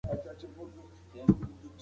هغه د ورځني ژوند نظم د حکومتدارۍ برخه بلله.